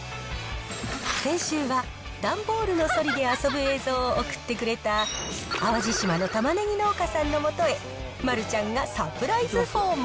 先週は、段ボールのそりで遊ぶ映像を送ってくれた、淡路島のたまねぎ農家さんのもとへ、丸ちゃんがサプライズ訪問。